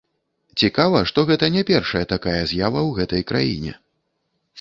Цікава, што гэта не першая такая з'ява ў гэтай краіне.